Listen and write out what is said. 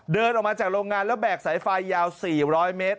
เดินออกมาจากโรงงานแล้วแบกสายไฟยาว๔๐๐เมตร